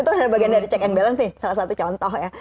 itu adalah bagian dari check and balance nih salah satu contoh ya